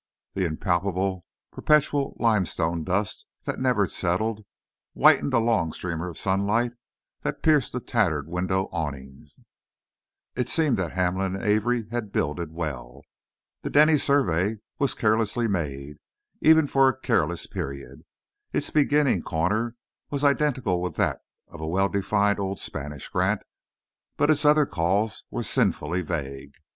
The impalpable, perpetual limestone dust that never settled, whitened a long streamer of sunlight that pierced the tattered window awning. It seemed that Hamlin and Avery had builded well. The Denny survey was carelessly made, even for a careless period. Its beginning corner was identical with that of a well defined old Spanish grant, but its other calls were sinfully vague.